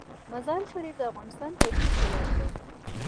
مزارشریف د افغانستان طبعي ثروت دی.